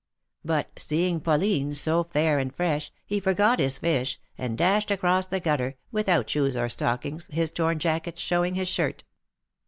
But seeing Pauline so fair and fresh, he forgot his fish, and dashed across the gutter, without shoes or stockings, his torn jacket showing his shirt.